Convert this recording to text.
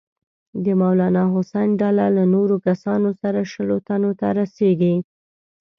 د مولنا حسن ډله له نورو کسانو سره شلو تنو ته رسیږي.